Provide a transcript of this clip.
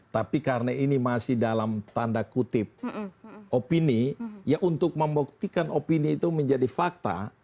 tapi karena ini masih dalam tanda kutip opini ya untuk membuktikan opini itu menjadi fakta